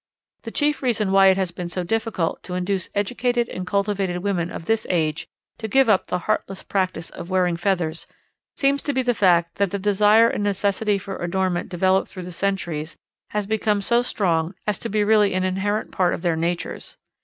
The chief reason why it has been so difficult to induce educated and cultivated women of this age to give up the heartless practice of wearing feathers seems to be the fact that the desire and necessity for adornment developed through the centuries has become so strong as to be really an inherent part of their natures.